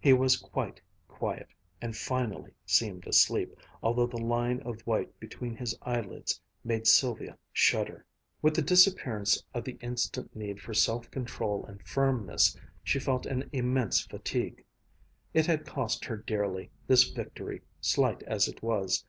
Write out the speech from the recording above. He was quite quiet, and finally seemed asleep, although the line of white between his eyelids made Sylvia shudder. With the disappearance of the instant need for self control and firmness, she felt an immense fatigue. It had cost her dearly, this victory, slight as it was.